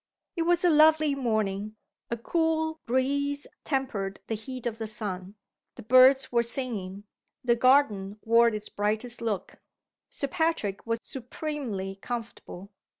It was a lovely morning a cool breeze tempered the heat of the sun; the birds were singing; the garden wore its brightest look. Sir Patrick was supremely comfortable.